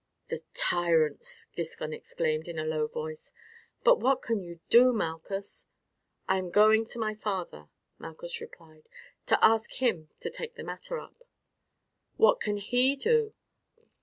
"The tyrants!" Giscon exclaimed in a low voice. "But what can you do, Malchus?" "I am going to my father," Malchus replied, "to ask him to take the matter up." "What can he do?"